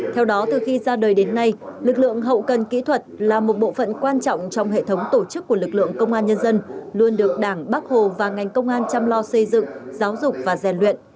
theo đó từ khi ra đời đến nay lực lượng hậu cần kỹ thuật là một bộ phận quan trọng trong hệ thống tổ chức của lực lượng công an nhân dân luôn được đảng bác hồ và ngành công an chăm lo xây dựng giáo dục và rèn luyện